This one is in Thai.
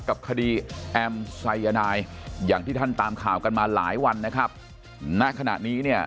กับคดีแอมไซยานายอย่างที่ท่านตามข่าวกันมาหลายวันนะครับณขณะนี้เนี่ย